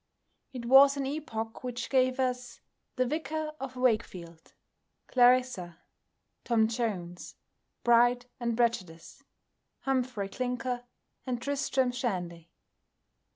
It was an epoch which gave us "The Vicar of Wakefield," "Clarissa," "Tom Jones," "Pride and Prejudice," "Humphrey Clinker," and "Tristram Shandy."